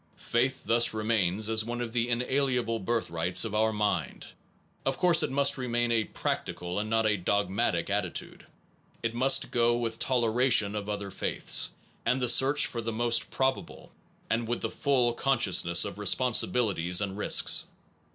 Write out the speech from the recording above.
Faith thus remains as one of the inalienable birth rights of our mind. Of course it must remain a practical, and not a dogmatic attitude. It must go with toleration of other faiths, with the search for the most probable, and with the full consciousness of responsibilities and risks.